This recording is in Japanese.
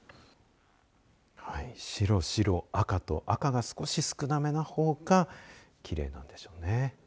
白、白、赤と赤が少し少なめなほうがきれいなんでしょうね。